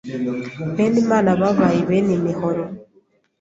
Benimana babaye Benimihoro